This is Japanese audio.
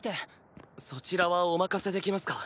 そちらはお任せできますか？